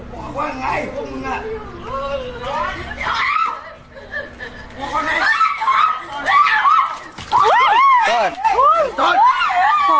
ทงอย่างงี้เดี้ยวไลน์ละวะ